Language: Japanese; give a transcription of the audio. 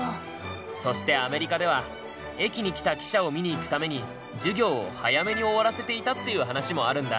そしてアメリカでは駅に来た汽車を見に行くために授業を早めに終わらせていたっていう話もあるんだ。